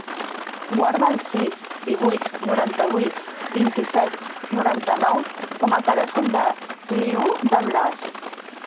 Guarda el sis, divuit, noranta-vuit, vint-i-set, noranta-nou com a telèfon de l'Iu De Blas.